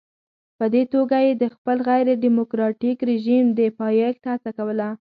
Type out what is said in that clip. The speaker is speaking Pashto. په دې توګه یې د خپل غیر ډیموکراټیک رژیم د پایښت هڅه کوله.